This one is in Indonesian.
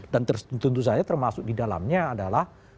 dan tentu saja termasuk di dalamnya adalah